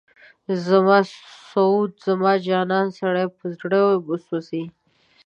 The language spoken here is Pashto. زما سعود، زما جانان، سړی په زړه وسوځي